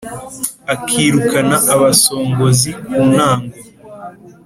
Akirukana abasongozi ku ntango